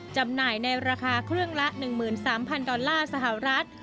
จำหน่ายในราคาเครื่องละ๑๓๐๐ดอลลาร์สหรัฐ